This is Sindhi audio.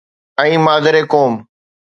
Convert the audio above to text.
۽ مادر قوم.